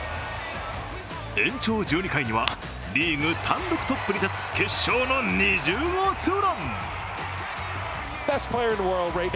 延長１２回にはリーグ単独トップに立つ決勝の２０号ツーラン。